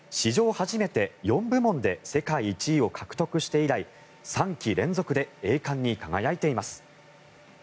初めて４部門で世界１位を獲得して以来３期連続で栄冠に輝いています。